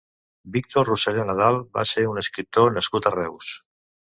Víctor Rosselló Nadal va ser un escriptor nascut a Reus.